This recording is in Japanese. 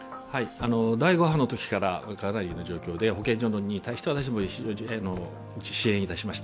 第５波のときからかなりの状況で保健所に対して、私も支援いたしました。